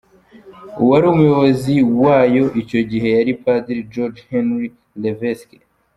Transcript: Uwari umuyobozi wayo icyo gihe yari Padiri Georges-Henri Lévesque.